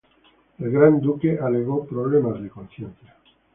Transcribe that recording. El Gran Duque alegó problemas de conciencia.